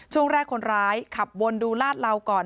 ช่วงแรกคนร้ายขับวนดูลาดเหลาก่อน